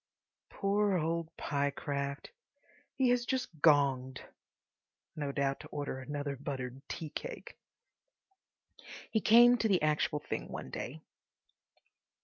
Poor old Pyecraft! He has just gonged, no doubt to order another buttered tea cake! He came to the actual thing one day.